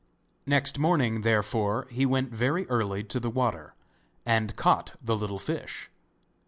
Next morning, therefore, he went very early to the water, and caught the little fish.